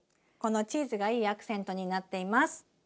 このチーズがいいアクセントになっています。